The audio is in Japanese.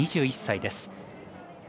２１歳です。